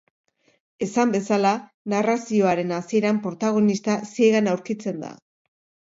Esan bezala, narrazioaren hasieran protagonista ziegan aurkitzen da.